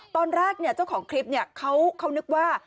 ตอนแรกเจ้าของคลิปเขานึกว่า